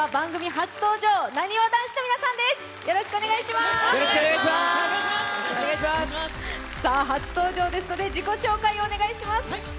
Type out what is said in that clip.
初登場ですので自己紹介をお願いします。